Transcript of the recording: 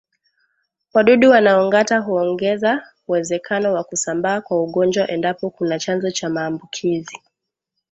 Wadudu wanaongata huongeza uwezekano wa kusambaa kwa ugonjwa endapo kuna chanzo cha maambukizi